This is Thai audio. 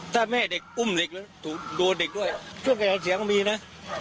ถ้าแม่เด็กอุ้มเด็กแล้วโดนเด็กด้วยเครื่องขยายเสียงมันมีนะ